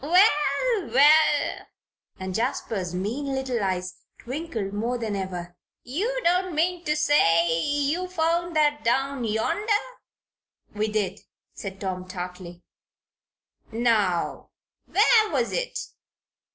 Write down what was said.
"Well! Well!" and Jasper's mean little eyes twinkled more than ever. "You don't mean to say you found that down yonder?" "We did," said Tom, tartly. "Now, where was it?"